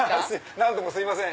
何度もすいません。